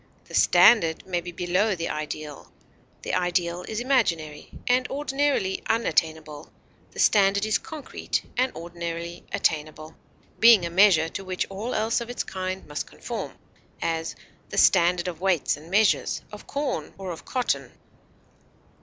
The standard may be below the ideal. The ideal is imaginary, and ordinarily unattainable; the standard is concrete, and ordinarily attainable, being a measure to which all else of its kind must conform; as, the standard of weights and measures, of corn, or of cotton.